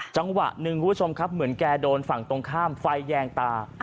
จังหวะหนึ่งคุณผู้ชมครับเหมือนแกโดนฝั่งตรงข้ามไฟแยงตา